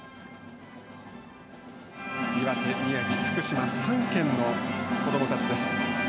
岩手、福島３県の子どもたちです。